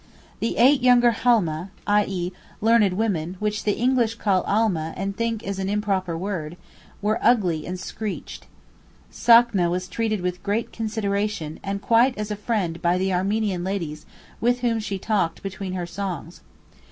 The eight younger Halmeh (i.e., learned women, which the English call Almeh and think is an improper word) were ugly and screeched. Sakna was treated with great consideration and quite as a friend by the Armenian ladies with whom she talked between her songs.